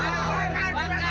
ada apa ini rangka